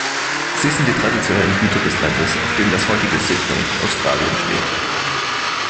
Sie sind die traditionellen Hüter des Landes, auf dem das heutige Sydney, Australien steht.